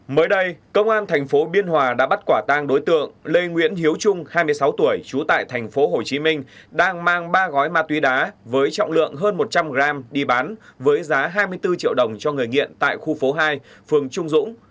mới đây công an tp biên hòa đã bắt quả tàng đối tượng lê nguyễn hiếu trung hai mươi sáu tuổi trú tại tp hồ chí minh đang mang ba gói ma túy đá với trọng lượng hơn một trăm linh gram đi bán với giá hai mươi bốn triệu đồng cho người nghiện tại khu phố hai phường trung dũng